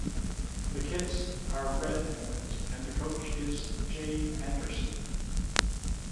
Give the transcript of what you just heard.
The kits are red and white and the coach is Jay Anderson.